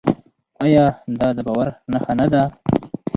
آیا دا د باور نښه نه ده؟